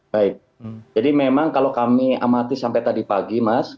baik jadi memang kalau kami amati sampai tadi pagi mas